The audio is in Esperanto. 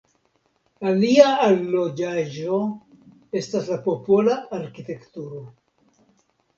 Alia allogaĵo estas la popola arkitekturo.